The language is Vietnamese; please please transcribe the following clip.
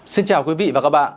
xin chào quý vị và các bạn